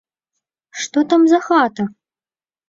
Што там за хата?